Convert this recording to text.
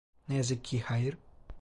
Ne yazık ki hayır.